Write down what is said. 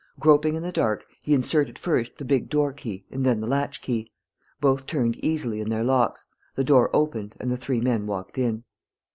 Groping in the dark, he inserted first the big door key and then the latch key. Both turned easily in their locks, the door opened and the three men walked in.